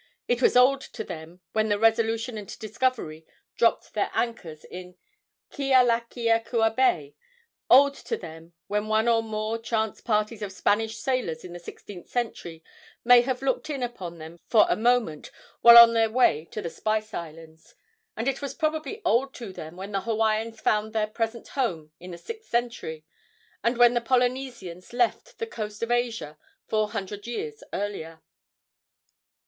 It was old to them when the Resolution and Discovery dropped their anchors in Kealakeakua Bay; old to them when one or more chance parties of Spanish sailors in the sixteenth century may have looked in upon them for a moment while on their way to the Spice Islands; and it was probably old to them when the Hawaiians found their present home in the sixth century, and when the Polynesians left the coast of Asia four hundred years earlier.